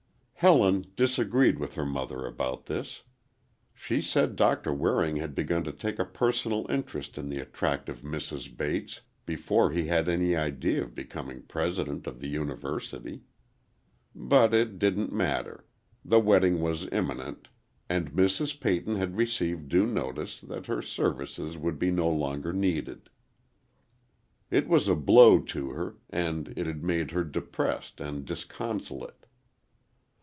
Helen disagreed with her mother about this. She said Doctor Waring had begun to take a personal interest in the attractive Mrs. Bates before he had any idea of becoming President of the University. But it didn't matter. The wedding was imminent, and Mrs. Peyton had received due notice that her services would be no longer needed. It was a blow to her, and it had made her depressed and disconsolate.